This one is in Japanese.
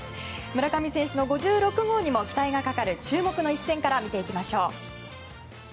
村上選手の５６号にも期待がかかる注目の一戦から見ていきましょう。